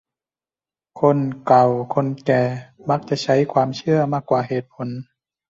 คนเก่าคนแก่มักจะใช้ความเชื่อมากกว่าเหตุผล